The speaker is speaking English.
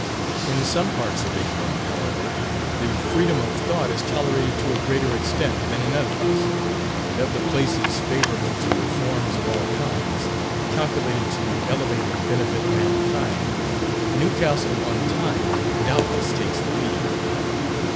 In some parts of England, however, the freedom of thought is tolerated to a greater extent than in others; and of the places favourable to reforms of all kinds, calculated to elevate and benefit mankind, Newcastle on Tyne doubtless takes the lead.